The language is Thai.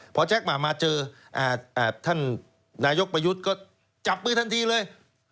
พอแจ๊คมามาเจอท่านนายกประยุทธ์ก็จับมือทันทีเลย